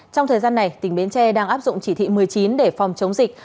trong thời gian này tỉnh bến tre đang áp dụng chỉ thị một mươi chín để phòng chống dịch